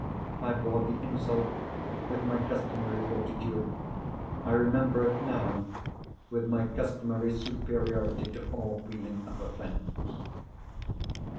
I bore the insult with my customary fortitude. I remember it now with my customary superiority to all feeling of offence.